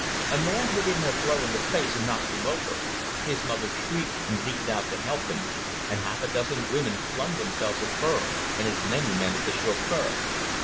A man hit him a blow in the face and knocked him over; his mother shrieked, and leaped out to help him, and half a dozen women flung themselves at her, and as many men at the chauffeur.